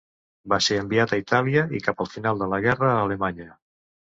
Va ser enviat a Itàlia, i cap al final de la guerra a Alemanya.